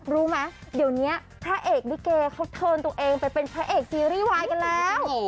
รู้ไหมเดี๋ยวนี้พระเอกลิเกเขาเทินตัวเองไปเป็นพระเอกซีรีส์วายกันแล้ว